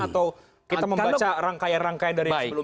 atau kita membaca rangkaian rangkaian dari sebelumnya